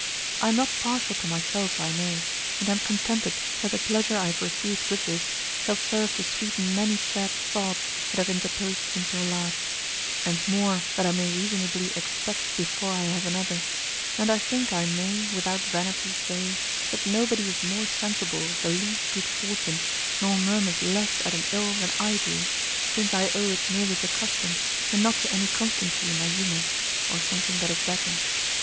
I am not partial to myself I know, and am contented that the pleasure I have received with this, shall serve to sweeten many sad thoughts that have interposed since your last, and more that I may reasonably expect before I have another; and I think I may (without vanity) say, that nobody is more sensible of the least good fortune nor murmurs less at an ill than I do, since I owe it merely to custom and not to any constancy in my humour, or something that is better.